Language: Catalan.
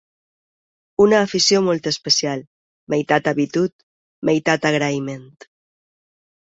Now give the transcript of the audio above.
Una afició molt especial, meitat habitud, meitat agraïment